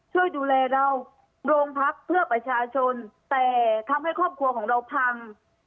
ช่วยดูแลเราโรงพักเพื่อประชาชนแต่ทำให้ครอบครัวของเราพัง